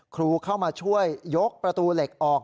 ครูเข้ามาช่วยยกประตูเหล็กออก